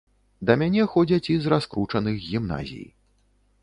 Да мяне ходзяць і з раскручаных гімназій.